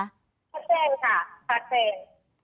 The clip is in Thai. ชัดเจนค่ะชัดเจน